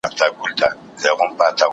زه اوږده وخت کتابونه لوستل کوم!.